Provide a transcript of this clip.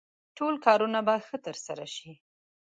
ټول کارونه به ښه ترسره شي.